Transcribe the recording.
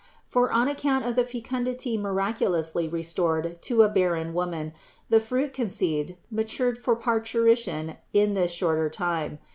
For on account of the fecundity miraculously restored to a barren woman, the fruit conceived matured for parturition in this shorter time.